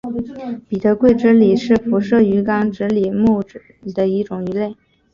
彼得桂脂鲤是辐鳍鱼纲脂鲤目脂鲤亚目鲑脂鲤科的一种鱼类。